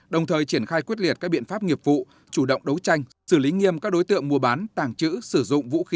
đồng thời triển khai quyết liệt các biện pháp nghiệp vụ chủ động đấu tranh xử lý nghiêm các đối tượng mua bán tàng trữ sử dụng vũ khí vật liệu nổ công cụ hỗ trợ trái phép